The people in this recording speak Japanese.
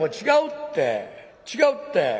違うって違うって。